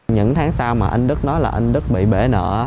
những tháng sau mà anh đức nói là anh đức bị bể nợ